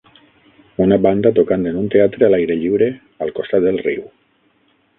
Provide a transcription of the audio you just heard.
Una banda tocant en un teatre a l'aire lliure, al costat del riu.